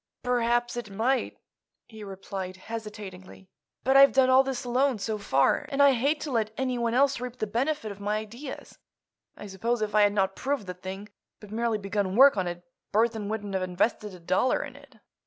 "Perhaps it might," he replied, hesitatingly. "But I've done all this alone, so far, and I hate to let anyone else reap the benefit of my ideas. I suppose if I had not proved the thing, but merely begun work on it, Burthon wouldn't have invested a dollar in it."